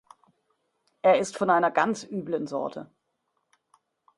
Er ist von einer ganz üblen Sorte.